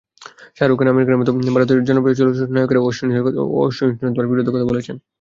শাহরুখ খান, আমির খানের মতো ভারতের জনপ্রিয় চলচ্চিত্র নায়কেরাও অসহিষ্ণুতার বিরুদ্ধে কথা বলেছেন।